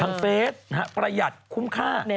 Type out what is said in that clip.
เฟสประหยัดคุ้มค่า